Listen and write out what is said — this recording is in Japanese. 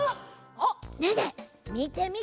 ねえねえみてみて。